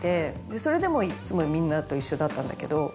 それでもいっつもみんなと一緒だったんだけど。